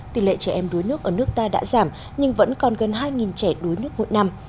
tỷ lệ trẻ em đuối nước ở nước ta đã giảm nhưng vẫn còn gần hai trẻ đuối nước mỗi năm